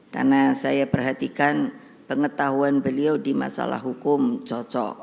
karena saya perhatikan pengetahuan beliau di masalah hukum cocok